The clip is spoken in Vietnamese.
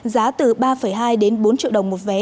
giá từ ba hai đến bốn triệu đồng một vé